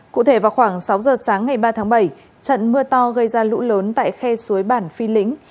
cụ thể vào khoảng sáu giờ sáng ngày ba tháng bảy trận mưa to gây ra lũ lớn tại khe suối bản phi lĩnh